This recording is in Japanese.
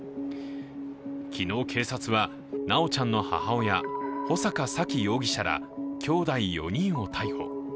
昨日、警察は修ちゃんの母親穂坂沙喜容疑者らきょうだい４人を逮捕。